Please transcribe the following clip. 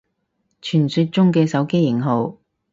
傳說中嘅手機型號